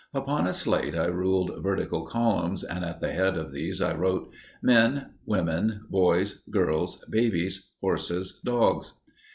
Upon a slate I ruled vertical columns, and at the head of these I wrote: "Men, women, boys, girls, babies, horses, dogs."